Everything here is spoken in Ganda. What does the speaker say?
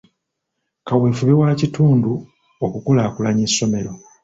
Kaweefube wa kitundu okukulaakulanya essomero.